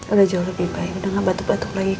udah jauh lebih baik udah gak batuk batuk lagi kok